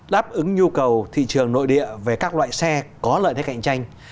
đáp ứng nhu cầu thị trường nội địa về các loại xe có lợi thế cạnh tranh